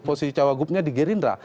posisi cagupnya di gerindra